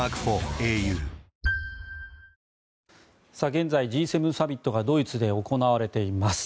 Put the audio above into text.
現在、Ｇ７サミットがドイツで行われています。